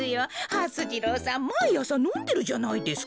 はす次郎さんまいあさのんでるじゃないですか。